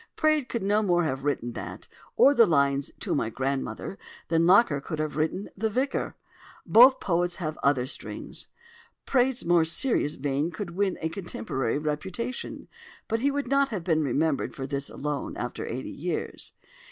Praed could no more have written that, or the lines "To my Grandmother," than Locker could have written "The Vicar." Both poets have other strings. Praed's more serious vein could win a contemporary reputation: but he would not have been remembered for this alone, after eighty years.